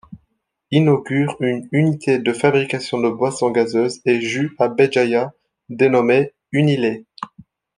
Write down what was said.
Inaugure une unité de fabrication de boisson gazeuses est jus à Béjaïa, dénommée Unilait.